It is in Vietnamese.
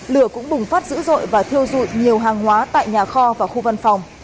lửa cũng bùng phát dữ dội và thiêu dụi nhiều hàng hóa tại nhà kho và khu văn phòng